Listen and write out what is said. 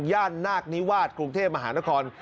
นาคนิวาสกรุงเทพมหานคร